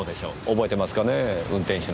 覚えてますかねぇ運転手の方は。